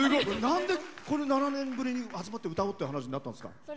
なんで、７年ぶりに集まって歌おうって話になったんですか？